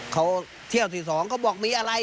เขาเที่ยวที่สองเขาบอกมีอะไร